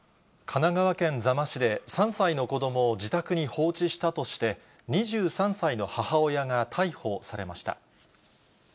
神奈川県座間市で、３歳の子どもを自宅に放置したとして、２３歳の母親が逮捕されました。